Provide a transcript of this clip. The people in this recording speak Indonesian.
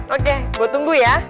oke gue tunggu ya